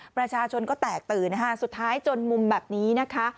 ประชาชนก็แตกตื่นนะคะสุดท้ายจนมุมแบบนี้นะคะ